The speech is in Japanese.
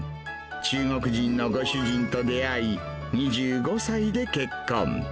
中国人のご主人と出会い、２５歳で結婚。